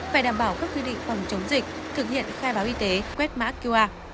phải đảm bảo các quy định phòng chống dịch thực hiện khai báo y tế quét mã qr